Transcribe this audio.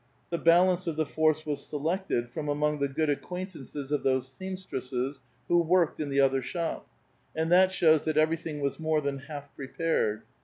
The balance of the force was selected from among tlie good acquaintances of those seamstresses who worked in the other shop, and that shows that everything was more than half prepared.